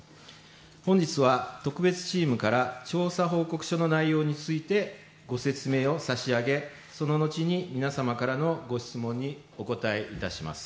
本日は、特別チームから調査報告書の内容についてご説明を差し上げ、その後に皆様からのご質問にお答えいたします。